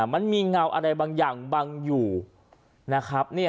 มันมีเงาอะไรบางอย่างบังอยู่นะครับ